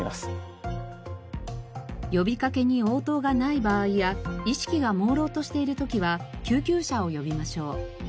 呼びかけに応答がない場合や意識が朦朧としている時は救急車を呼びましょう。